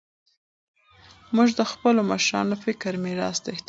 موږ د خپلو مشرانو فکري میراث ته احترام لرو.